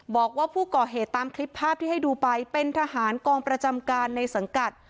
บอกว่าผู้ก่อเหตุตามคลิปภาพที่ให้ดูไปเป็นทหารกองประจำการในสังกัด